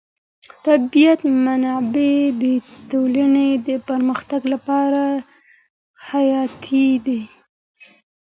طبیعي منابع د ټولنې د پرمختګ لپاره حیاتي دي.